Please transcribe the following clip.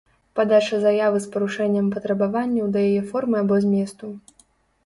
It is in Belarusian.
Падача заявы з парушэннем патрабаванняў да яе формы або зместу.